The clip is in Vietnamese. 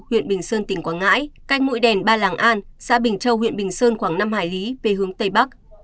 huyện bình sơn tỉnh quảng ngãi cách mũi đèn ba làng an xã bình châu huyện bình sơn khoảng năm hải lý về hướng tây bắc